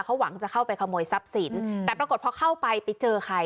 เขาหวังจะเข้าไปขโมยทรัพย์สินแต่ปรากฏพอเข้าไปไปเจอใคร